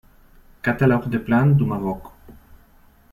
Catalogue des Plantes du Maroc.